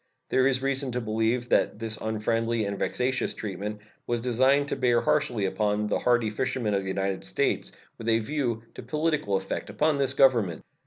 There is reason to believe that this unfriendly and vexatious treatment was designed to bear harshly upon the hardy fishermen of the United States, with a view to political effect upon this Government.